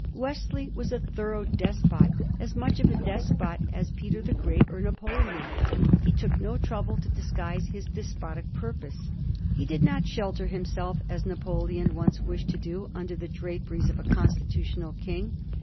Wesley was a thorough despot; as much of a despot as Peter the Great or Napoleon. He took no trouble to dis guise his despotic purpose. He did not shelter himself, as Napoleon once wished to do, under the draperies of a constitutional king.